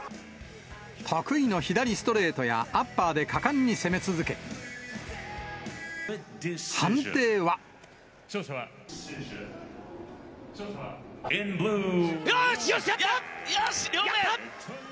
得意の左ストレートやアッパーで果敢に攻め続け、判定は。よし！